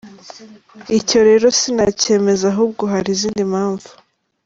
Icyo rero sinacyemeza ahubwo hari izindi mpamvu.